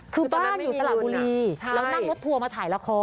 คือบ้านอยู่สระบูรีนั่งรถตัวมาถ่ายละคร